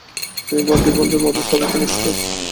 তিনি ব্রন্টি বোনদের মধ্যে সর্বকনিষ্ঠ।